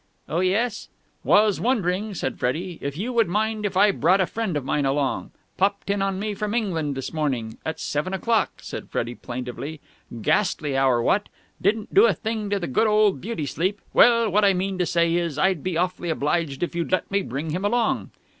"Oh, yes?" "Was wondering," said Freddie, "if you would mind if I brought a friend of mine along? Popped in on me from England this morning. At seven o'clock," said Freddie plaintively. "Ghastly hour, what? Didn't do a thing to the good old beauty sleep! Well, what I mean to say is, I'd be awfully obliged if you'd let me bring him along."